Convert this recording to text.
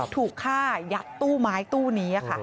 ถูกฆ่ายัดตู้ไม้ตู้นี้ค่ะ